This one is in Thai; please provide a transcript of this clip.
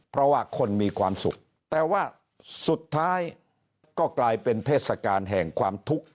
เพราะว่าคนมีความสุขแต่ว่าสุดท้ายก็กลายเป็นเทศกาลแห่งความทุกข์